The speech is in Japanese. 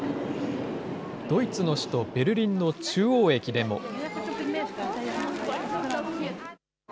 ドイツの首都ベルリンの中央駅でも。